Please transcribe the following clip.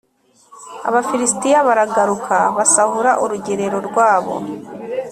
Abafilisitiya baragaruka basahura urugerero rwabo